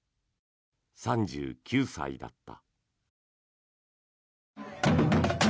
３９歳だった。